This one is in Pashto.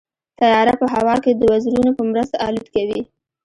طیاره په هوا کې د وزرونو په مرسته الوت کوي.